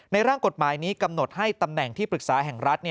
ร่างกฎหมายนี้กำหนดให้ตำแหน่งที่ปรึกษาแห่งรัฐ